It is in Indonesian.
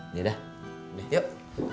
ini dah ini yuk